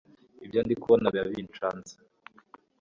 Ibyo ndi kubona biba byancanze